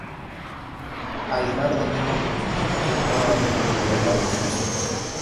Aguilar domina por su situación todas las localidades vecinas.